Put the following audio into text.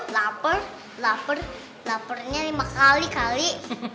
lapar lapar laparnya lima kali kali